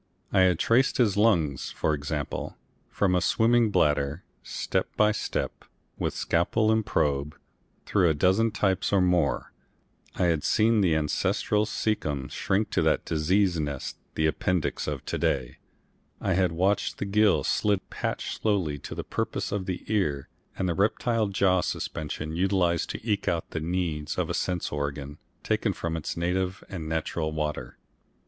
I had traced his lungs, for example, from a swimming bladder, step by step, with scalpel and probe, through a dozen types or more, I had seen the ancestral caecum shrink to that disease nest, the appendix of to day, I had watched the gill slit patched slowly to the purposes of the ear and the reptile jaw suspension utilised to eke out the needs of a sense organ taken from its native and natural water.